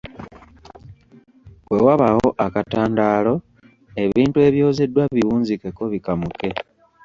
Bwe wabaawo akatandaalo, ebintu ebyozeddwa biwunzikeko bikamuke.